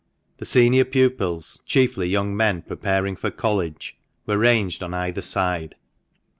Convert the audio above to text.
The senior pupils, chiefly young men preparing for college, were ranged on either side.